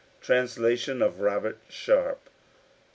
Translation of Robert Sharp.